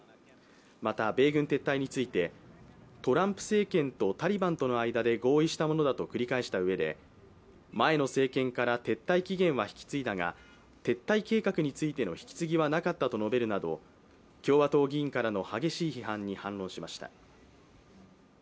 また、米軍撤退について、トランプ政権とタリバンとの間で合意したものだと繰り返したうえで、前の政権から撤退期限は引き継いだが、撤退計画についての引き継ぎはなかったと述べるなど、共和党議員からの激しい批判に反論しました。